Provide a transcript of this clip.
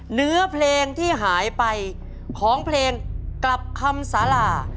เนื้อเพลงที่หายไปของเพลงกลับคำสารา